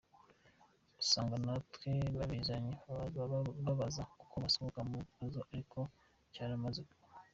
Ugasanga natwe babizanye babaza uko basohoka mu kibazo ariko cyaramaze kuba.